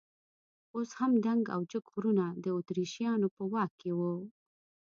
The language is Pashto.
اوس هم دنګ او جګ غرونه د اتریشیانو په واک کې وو.